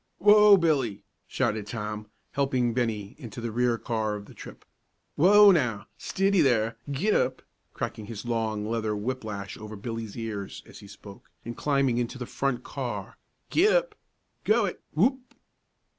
"Whoa, Billy!" shouted Tom, helping Bennie into the rear car of the trip. "Whoa, now! Stiddy there, git tup!" cracking his long leather whip lash over Billy's ears as he spoke, and climbing into the front car. "Git tup! Go it! Whoop!"